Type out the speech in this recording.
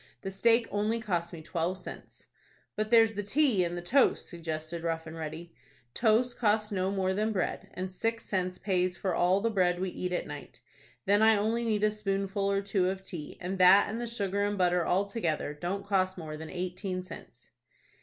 The steak only cost me twelve cents." "But there's the tea and the toast," suggested Rough and Ready. "Toast costs no more than bread, and six cents pays for all the bread we eat at night. Then I only need a spoonful or two of tea, and that, and the sugar and butter altogether, don't cost more than eighteen cents."